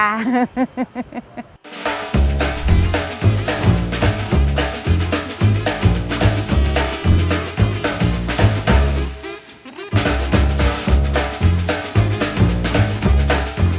มันเป็นคำอธิบายยาก